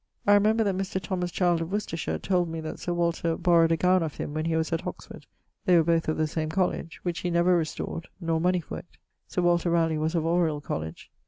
I remember that Mr. Thomas Child of Worcestershire told me that Sir Walter borrowed a gowne of him when he was at Oxford (they were both of the same College), which he never restored, nor money for it. Sir Walter Ralegh was of Oriel College.